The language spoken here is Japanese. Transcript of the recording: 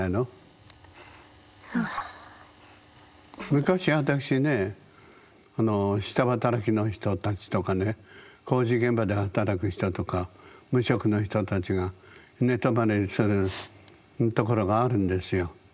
昔私ね下働きの人たちとかね工事現場で働く人とか無職の人たちが寝泊まりするところがあるんですよ。